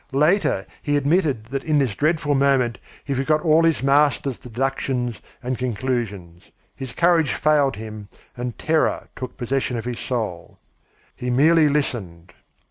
Later, he admitted that in this dreadful moment he forgot all his master's deductions and conclusions. His courage failed him; and terror took possession of his soul. He merely listened.